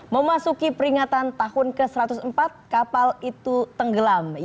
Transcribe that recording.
memasuki peringatan tahun ke satu ratus empat kapal itu tenggelam